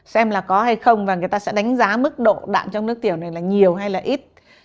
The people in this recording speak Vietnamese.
xem là có hay không và người ta sẽ đánh giá mức độ đạm trong nước tiểu này là nhiều hay là ít